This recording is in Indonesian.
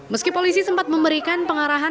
meski polisi sempat memberikan pengarahan